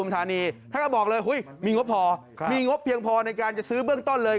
ท่านก็บอกเลยมีงบพอมีงบเพียงพอในการจะซื้อเบื้องต้นเลย